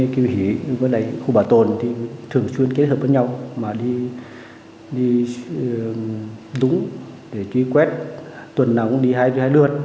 khu bảo tồn thường xuyên kết hợp với nhau mà đi đúng để truy quét tuần nào cũng đi hai mươi hai lượt